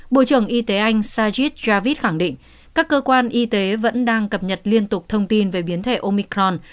bộ trưởng y tế anh sajit javid khẳng định các cơ quan y tế vẫn đang cập nhật liên tục thông tin về biến thể omicron